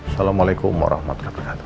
assalamualaikum warahmatullahi wabarakatuh